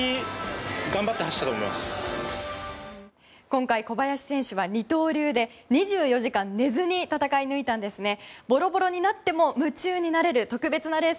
今回、小林選手は二刀流で２４時間寝ずに戦い抜いたんですね。